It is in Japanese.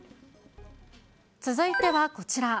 続いてはこちら。